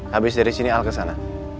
habis dari sini al kesana